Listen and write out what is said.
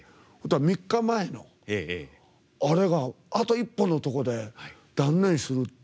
３日前の、あれがあと一歩のところで断念する。